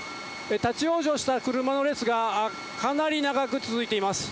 立往生した車の列がかなり長く続いています。